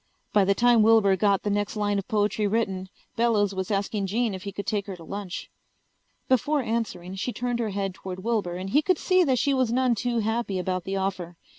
By the time Wilbur got the next line of poetry written Bellows was asking Jean if he could take her to lunch. Before answering she turned her head toward Wilbur and he could see that she was none too happy about the offer.